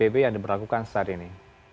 apa yang diperlakukan saat ini